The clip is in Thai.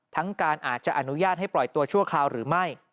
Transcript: ทั้งการอาจจะอนุญาตให้ปล่อยตัวชั่วคราวหรือไม่